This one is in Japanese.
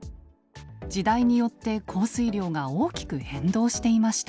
時代によって降水量が大きく変動していました。